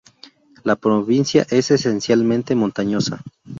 La provincia es esencialmente montañosa.